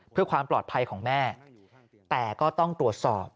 เพื่อความปลอดภัยของแม่แต่ก็ต้องตรวจสอบ